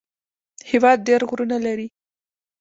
هېواد ډېر غرونه لري